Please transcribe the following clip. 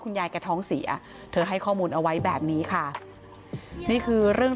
ยายแกท้องเสียเธอให้ข้อมูลเอาไว้แบบนี้ค่ะนี่คือเรื่อง